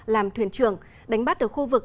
làm thuyền trưởng đánh bắt ở khu vực